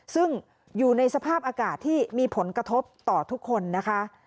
ซึ่งอยู่ในสภาพอากาศที่มีผลกระทบต่อทุกคนนะคะ